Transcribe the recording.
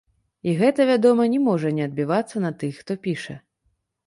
І гэта, вядома, не можа не адбівацца на тых, хто піша.